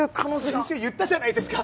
先生言ったじゃないですか。